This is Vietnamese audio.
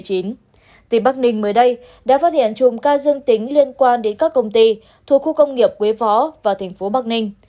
tỉnh bắc ninh mới đây đã phát hiện chùm ca dương tính liên quan đến các công ty thuộc khu công nghiệp quế phó và tp bắc ninh